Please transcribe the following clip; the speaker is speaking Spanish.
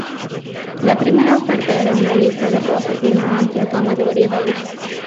La primera oferta era una lista de rosas de una amplia gama de variedades.